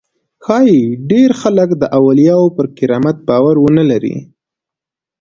ښایي ډېر خلک د اولیاوو پر کرامت باور ونه لري.